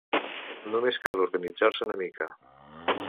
Només cal organitzar-se una mica.